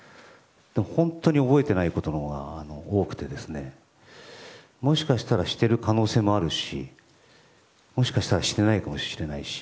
本当に覚えていないことのほうが多くてもしかしたらしている可能性もあるしもしかしたらしていないかもしれないし。